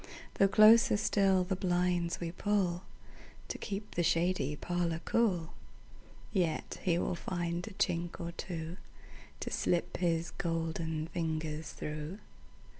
Though closer still the blinds we pullTo keep the shady parlour cool, Yet he will find a chink or twoTo slip his golden fingers through.